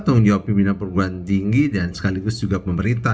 tanggung jawab pimpinan perguruan tinggi dan sekaligus juga pemerintah